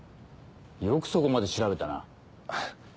よくそこまで調べたな。